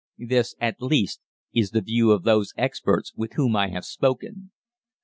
This, at least, is the view of those experts with whom I have spoken.